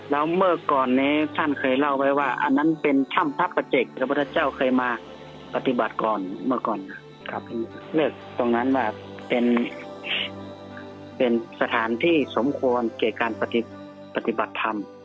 เลือกตรงนั้นว่าเป็นสถานที่สมควรเกตการณ์ปฏิบัติธรรม